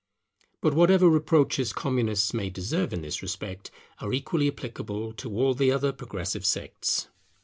But whatever reproaches Communists may deserve in this respect are equally applicable to all the other progressive sects.